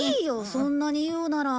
そんなに言うなら。